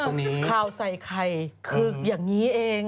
คราวใส่ใครคืออย่างนี้เอง